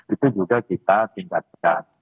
itu juga kita tingkatkan